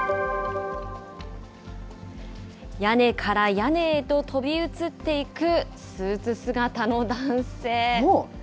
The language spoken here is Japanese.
屋根から屋根へと飛び移っていくスーツ姿の男性。